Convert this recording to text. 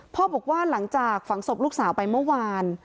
บอกว่าหลังจากฝังศพลูกสาวไปเมื่อวาน